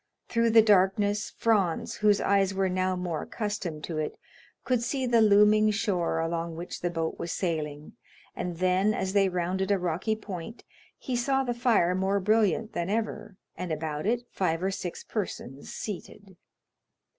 Through the darkness Franz, whose eyes were now more accustomed to it, could see the looming shore along which the boat was sailing, and then, as they rounded a rocky point, he saw the fire more brilliant than ever, and about it five or six persons seated.